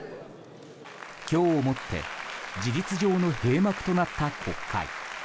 今日をもって事実上の閉幕となった国会。